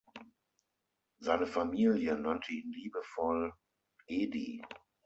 Seine Familie nannte ihn liebevoll „Edi“.